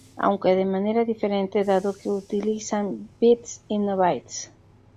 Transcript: Aunque de manera diferente, dado que utilizan bits, no bytes.